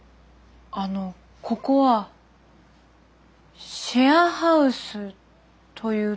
あのここはシェアハウスというところですか？